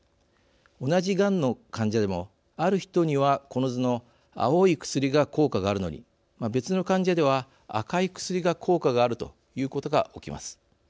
同じがんの患者でもある人にはこの図の青い薬が効果があるのに別の患者では赤い薬が効果があるということが起きます。